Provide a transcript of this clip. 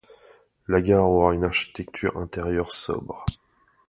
La gare aura une architecture intérieure sobre.